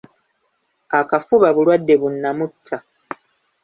Akafuba bulwadde bu nnamutta.